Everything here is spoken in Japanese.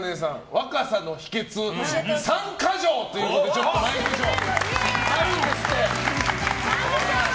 若さの秘訣３カ条ということでまいりましょう。